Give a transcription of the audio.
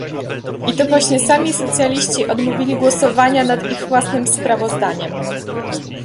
I to właśnie sami socjaliści odmówili głosowania nad ich własnym sprawozdaniem